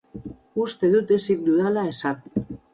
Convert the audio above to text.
Uste dut ezin dudala esan.